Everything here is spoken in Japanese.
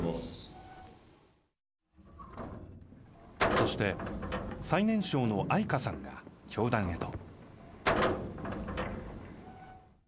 そして最年少の愛華さんが教壇へと。